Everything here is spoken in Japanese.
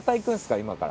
今から。